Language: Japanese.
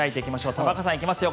玉川さん、いきますよ